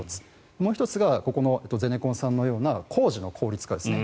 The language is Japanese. もう１つがここのゼネコンさんのような工事の効率化ですね。